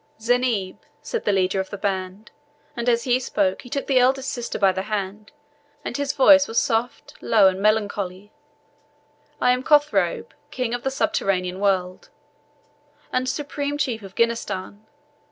'Zeineb,' said the leader of the band and as he spoke he took the eldest sister by the hand, and his voice was soft, low, and melancholy 'I am Cothrob, king of the subterranean world, and supreme chief of Ginnistan.